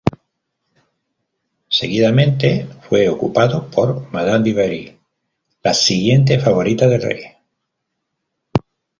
Seguidamente fue ocupado por Madame du Barry, la siguiente favorita del rey.